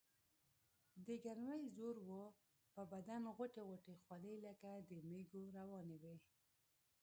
دګرمۍ زور وو پۀ بدن غوټۍ غوټۍ خولې لکه د مېږو روانې وي ـ